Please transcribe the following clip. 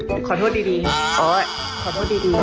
โอ๊ยขอโทษดี